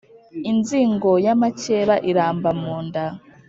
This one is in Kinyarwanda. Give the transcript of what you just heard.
inzigo y'amakeba iramba mu nda.